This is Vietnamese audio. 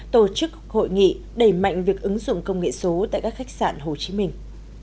tổ chức hội nghị đẩy mạnh việc ứng dụng công nghệ số tại các khách sạn hồ chí minh